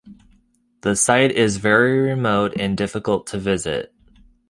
The site is very remote and difficult to visit.